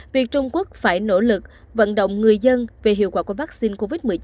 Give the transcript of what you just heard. việc trung quốc phải nỗ lực vận động người dân về hiệu quả của vaccine covid một mươi chín